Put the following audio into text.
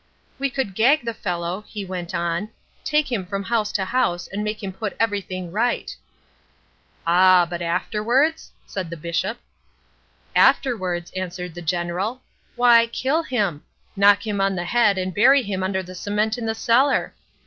"'We could gag the fellow,' he went on, 'take him from house to house and make him put everything right.' "'Ah, but afterwards?' said the Bishop. "'Afterwards,' answered the General, 'why kill him! Knock him on the head and bury him under the cement in the cellar.